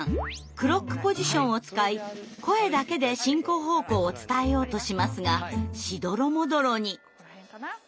クロックポジションを使い声だけで進行方向を伝えようとしますがしどろもどろに。